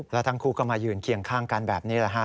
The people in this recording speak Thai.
แล้วทั้งคู่ก็มายืนเคียงข้างกันแบบนี้แหละฮะ